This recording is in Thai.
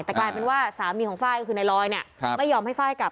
แต่กลายเป็นว่าสามีของไฟล์ก็คือนายลอยเนี่ยไม่ยอมให้ไฟล์กลับ